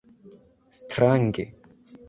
strange